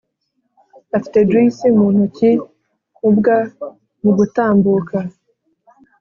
afitejuicy muntoki ubw mugutambuka